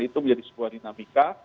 dan itu menjadi sebuah dinamika